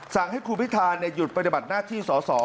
สั่งให้คุณพิธาหยุดปฏิบัติหน้าที่สอสอ